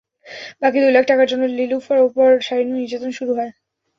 বাকি দুই লাখ টাকার জন্য নিলুফার ওপর শারীরিক নির্যাতন শুরু হয়।